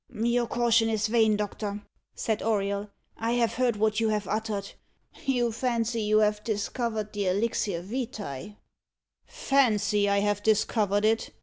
"Your caution is vain, doctor," said Auriol. "I have heard what you have uttered. You fancy you have discovered the elixir vitæ." "Fancy I have discovered it!"